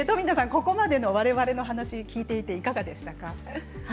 ここまでの我々の話を聞いていていかがですか？